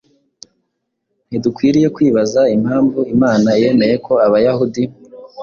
Ntidukwiriye kwibaza impamvu Imana yemeye ko Abayahudi